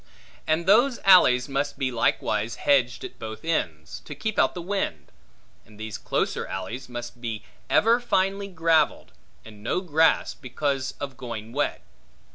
And those alleys must be likewise hedged at both ends, to keep out the wind; and these closer alleys must be ever finely gravelled, and no grass, because of going wet.